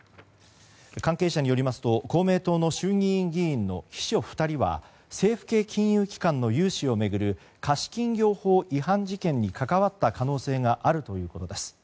関係者によりますと公明党の衆議院議員の秘書２人は政府系金融機関の融資を巡る貸金業法違反事件に関わった可能性があるということです。